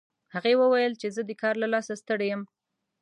هغې وویل چې زه د کار له لاسه ستړي یم